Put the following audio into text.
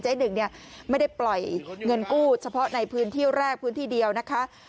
หนึ่งเนี่ยไม่ได้ปล่อยเงินกู้เฉพาะในพื้นที่แรกพื้นที่เดียวนะคะ